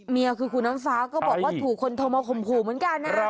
นี่คือคุณน้ำฟ้าก็บอกว่าถูกคนโทรมาข่มขู่เหมือนกันนะ